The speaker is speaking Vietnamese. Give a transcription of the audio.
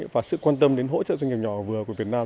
và sự quan tâm đến hỗ trợ doanh nghiệp nhỏ và vừa của việt nam